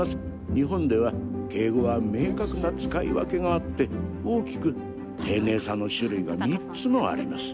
日本では敬語は明確な使い分けがあって大きく丁寧さの種類が３つもあります。